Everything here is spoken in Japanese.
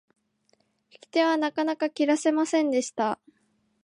引き手はなかなか切らせませんでした。